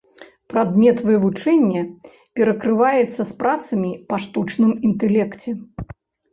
Прадмет вывучэння перакрываецца з працамі па штучным інтэлекце.